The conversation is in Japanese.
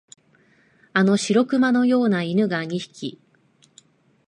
あの白熊のような犬が二匹、